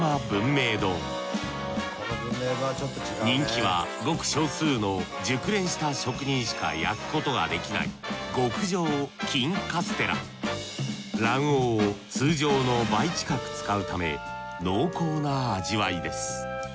人気はごく少数の熟練した職人しか焼くことができない卵黄を通常の倍近く使うため濃厚な味わいです。